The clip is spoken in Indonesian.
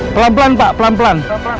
pelan pelan pak pelan pelan